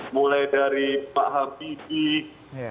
mulai dari pak habibie